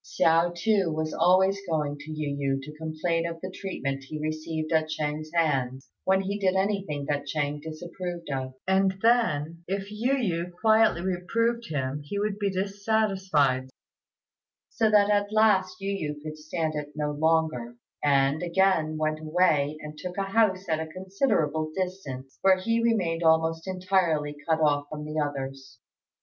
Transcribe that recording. Hsiao, too, was always going to Yu yü to complain of the treatment he received at Ch'êng's hands when he did anything that Ch'êng disapproved of; and then, if Yu yü quietly reproved him, he would be dissatisfied, so that at last Yu yü could stand it no longer, and again went away and took a house at a considerable distance, where he remained almost entirely cut off from the others.